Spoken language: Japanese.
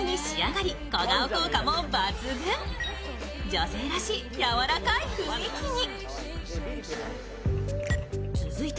女性らしい柔らかい雰囲気に。